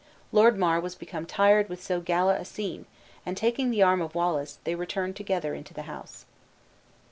Lord Mar was become tired with so gala a scene, and, taking the arm of Wallace, they returned together into the house.